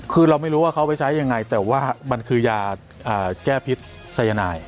คือเราไม่รู้ว่าเขาไปใช้ยังไงแต่ว่ามันคือยาแก้พิษสายนาย